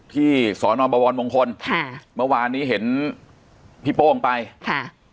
ที่สอนอบวรมงคลค่ะเมื่อวานนี้เห็นพี่โป้งไปค่ะ